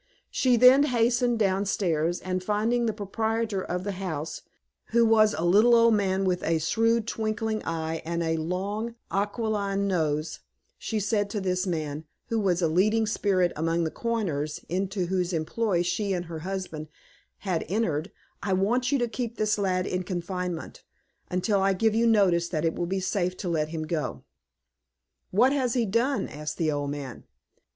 She then hastened downstairs, and finding the proprietor of the house, who was a little old man with a shrewd, twinkling eye, and a long aquiline nose, she said to this man, who was a leading spirit among the coiners into whose employ she and her husband had entered, "I want you to keep this lad in confinement, until I give you notice that it will be safe to let him go." "What has he done?" asked the old man.